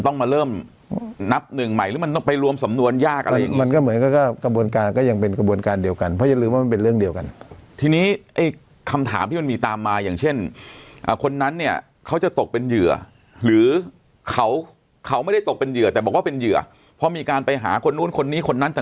ต้องมาเริ่มนับหนึ่งใหม่หรือมันต้องไปรวมสำนวนยากอะไรมันก็เหมือนกับก็กระบวนการก็ยังเป็นกระบวนการเดียวกันเพราะอย่าลืมว่ามันเป็นเรื่องเดียวกันทีนี้ไอ้คำถามที่มันมีตามมาอย่างเช่นคนนั้นเนี่ยเขาจะตกเป็นเหยื่อหรือเขาเขาไม่ได้ตกเป็นเหยื่อแต่บอกว่าเป็นเหยื่อเพราะมีการไปหาคนนู้นคนนี้คนนั้นต่าง